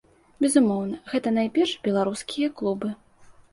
Безумоўна, гэта найперш беларускія клубы.